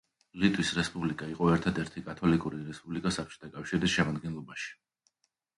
ლიტვის რესპუბლიკა იყო ერთადერთი კათოლიკური რესპუბლიკა საბჭოთა კავშირის შემადგენლობაში.